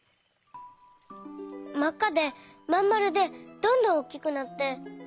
まっかでまんまるでどんどんおっきくなって。